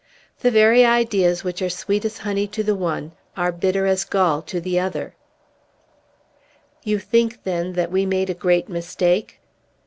The very ideas which are sweet as honey to the one are bitter as gall to the other." "You think, then, that we made a great mistake?"